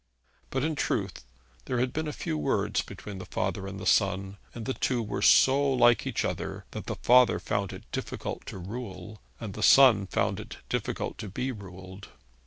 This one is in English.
But in truth there had been a few words between the father and the son; and the two were so like each other that the father found it difficult to rule, and the son found it difficult to be ruled.